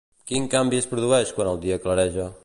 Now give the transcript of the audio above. Quin canvi es produeix quan el dia clareja?